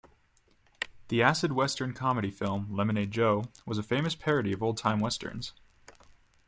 The acid western comedy film "Lemonade Joe" was a famous parody of old-time westerns.